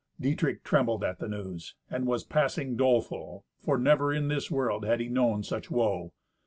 Dietrich trembled at the news, and was passing doleful, for never in this world had he known such woe.